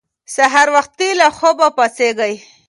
سهار وختي له خوبه پاڅېږئ.